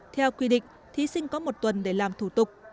theo quy định thí sinh có một tuần để làm thủ tục